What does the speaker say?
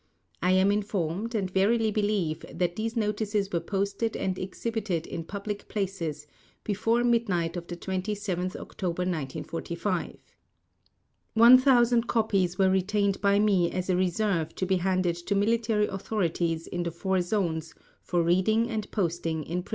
I am informed, and verily believe, that these notices were posted and exhibited in public places before midnight of the 27th October, 1945. 1,000 copies were retained by me as a reserve to be handed to Military authorities in the four Zones for reading and posting in P.O.